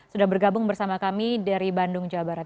sudah bergabung bersama kami dari bandung jawa barat